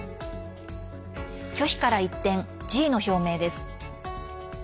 拒否から一転、辞意の表明です。